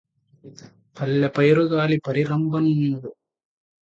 పల్లె పైరుగాలి పరిరంభణమ్ములు